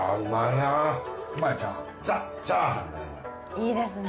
いいですね。